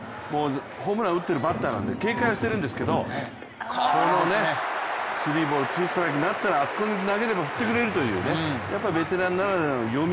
ホームラン打ってるバッターなんで警戒してるんですけどこのスリーボールツーストライクになったらあそこに投げれば振ってくれるというね、やっぱベテランならではの読み。